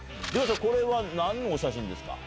これは何のお写真ですか？